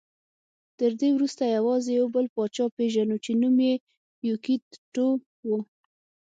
تر دې وروسته یوازې یو بل پاچا پېژنو چې نوم یې یوکیت ټو و